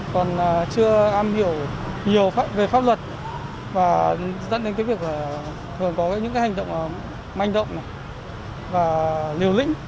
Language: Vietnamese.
còn chưa am hiểu nhiều về pháp luật và dẫn đến việc thường có những hành động manh động và liều lĩnh